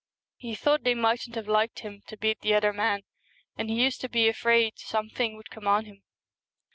He thought they mightn't have liked him to beat the other man, and he used to be afraid something would come on him.'